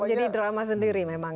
menjadi drama sendiri memang